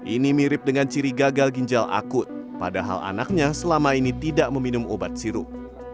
ini mirip dengan ciri gagal ginjal akut padahal anaknya selama ini tidak meminum obat sirup